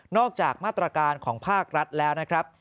จากมาตรการของภาครัฐแล้วนะครับ